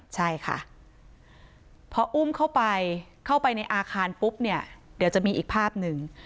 ใช่ค่ะพออุ้มเข้าไปเข้าไปในอาคารปุ๊บเนี่ยเดี๋ยวจะมีอีกภาพหนึ่ง